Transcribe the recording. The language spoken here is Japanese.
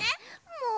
もう。